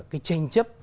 cái tranh chấp